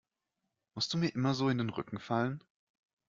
Musst du mir immer so in den Rücken fallen?